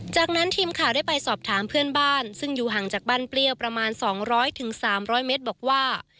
จากนั้นทีมข่าวได้ไปสอบถามเพื่อนบ้านซึ่งอยู่ห่างจากบ้านเปรี้ยวประมาณ๒๐๐๓๐๐เมตรบอกว่า